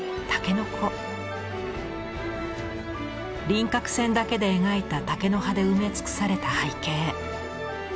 輪郭線だけで描いた竹の葉で埋め尽くされた背景。